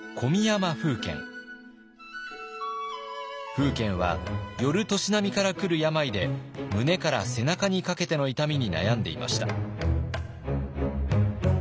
楓軒は寄る年波から来る病で胸から背中にかけての痛みに悩んでいました。